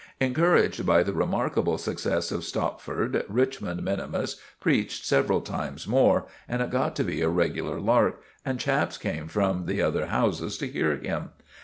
Encouraged by the remarkable success of Stopford, Richmond minimus preached several times more, and it got to be a regular lark, and chaps came from the other houses to hear him.